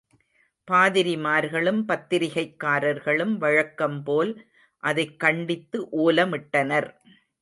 பாதிரிமார்களும், பத்திரிகைக்காரர்களும் வழக்கம்போல் அதைக் கண்டித்து ஓலமிட்டனர்.